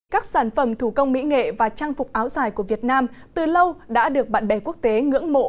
các sản phẩm thủ công mỹ nghệ và trang phục áo dài của việt nam từ lâu đã được bạn bè quốc tế ngưỡng mộ